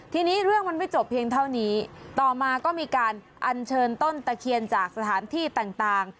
ทีนี้เรื่องมันไม่จบเพียงเท่านี้ต่อมาก็มีการอัญเชิญต้นตะเคียนจากสถานที่ต่าง